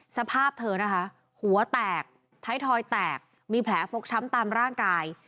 สภาพเธอนะคะหัวแตกท้ายทอยแตกมีแผลฟกช้ำตามร่างกาย